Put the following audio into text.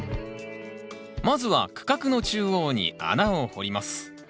まずは区画の中央に穴を掘ります